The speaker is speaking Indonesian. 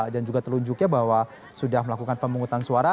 dan juga telunjuknya bahwa sudah melakukan pemungutan suara